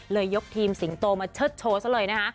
ยกทีมสิงโตมาเชิดโชว์ซะเลยนะคะ